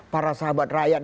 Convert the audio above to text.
para sahabat rakyat